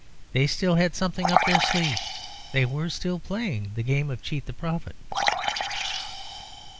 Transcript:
They still had something up their sleeve; they were still playing the game of Cheat the Prophet.